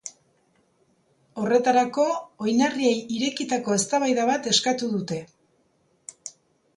Horretarako, oinarriei irekitako eztabaida bat eskatu dute.